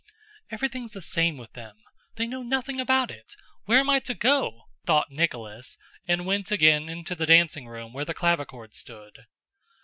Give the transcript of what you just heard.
"Everything's the same with them. They know nothing about it! Where am I to go?" thought Nicholas, and went again into the dancing room where the clavichord stood.